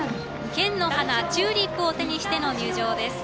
県の花チューリップを手にしての入場です。